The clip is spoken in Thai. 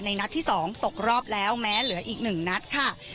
นัดที่๒ตกรอบแล้วแม้เหลืออีก๑นัดค่ะ